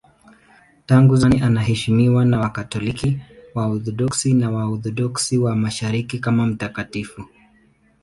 Tangu zamani anaheshimiwa na Wakatoliki, Waorthodoksi na Waorthodoksi wa Mashariki kama mtakatifu.